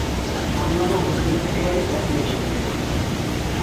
হাঙ্গামা-হুজ্জত একেবারেই পছন্দ করতো না।